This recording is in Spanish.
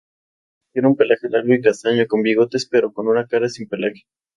Tiene un pelaje largo y castaño, con bigotes pero con una cara sin pelaje.